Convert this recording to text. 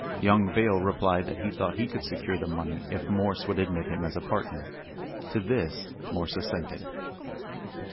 Young Vail replied that he thought he could secure the money if Morse would admit him as a partner. To this Morse assented.